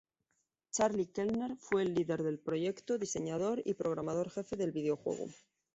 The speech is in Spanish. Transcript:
Charlie Kellner fue el líder de proyecto, diseñador, y programador jefe del videojuego.